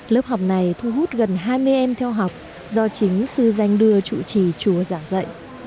lớp học này thu hút gần hai mươi em theo học do chính sư danh đưa chủ trì chùa giảng dạy